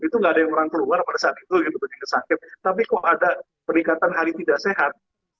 itu nggak ada yang orang keluar pada saat itu dia sakit tapi kok ada peningkatan hari tidak sehat